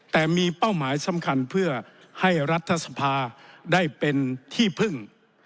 แต่มีเป้าหมายสำคัญเพื่อให้รัฐสภาได้เป็นที่พึ่ง